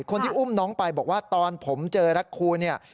คนที่อุ้มน้องไปบอกว่าตอนผมเจอรักคูณเนี่ย